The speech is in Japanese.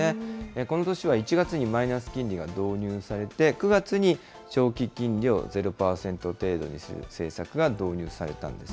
この年は１月にマイナス金利が導入されて、９月に長期金利をゼロ％にする政策が導入されたんです。